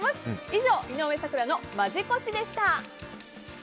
以上、井上咲楽のマジ越しでした。